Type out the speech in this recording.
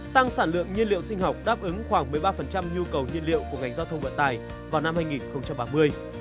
tăng sản lượng nhiên liệu sinh học đáp ứng khoảng một mươi ba nhu cầu nhiên liệu của ngành giao thông vận tài vào năm hai nghìn ba mươi